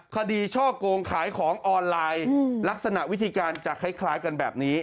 ช่อกงขายของออนไลน์ลักษณะวิธีการจะคล้ายกันแบบนี้